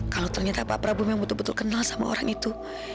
kalau ternyata pak prabowo memang betul betul kenal sama orang itu